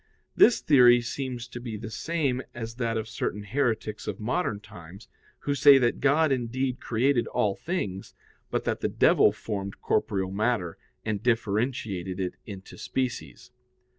This theory seems to be the same as that of certain heretics of modern times, who say that God indeed created all things, but that the devil formed corporeal matter, and differentiated it into species.